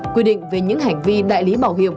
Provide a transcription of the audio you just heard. quy định về những hành vi đại lý bảo hiểm